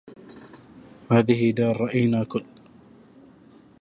هذه دار رأينا كل